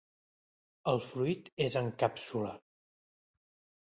El fruit és en càpsula.